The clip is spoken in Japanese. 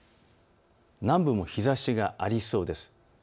南部も日ざしがありそうです。